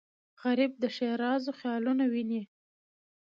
غریب د ښېرازو خیالونه ویني